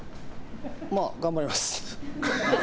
まあ、頑張ります。